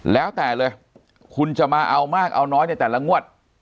แล้วแต่เลยคุณจะมาเอามากเอาน้อยในแต่ละงวด